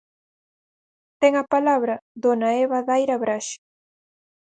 Ten a palabra dona Eva Daira Braxe.